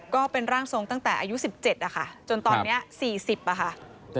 ก็เป็นร่างทรงศูนย์ตั้งแต่อายุ๑๗จนตอนนี้๔๐อ่ะค่ะ